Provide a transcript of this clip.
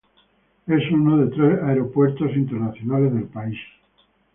Es uno de tres aeropuertos internacionales del país.